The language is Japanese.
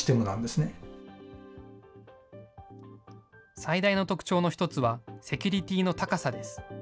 最大の特徴の一つは、セキュリティーの高さです。